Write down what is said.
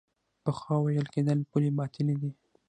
پخوا ویل کېدل پولې باطلې دي.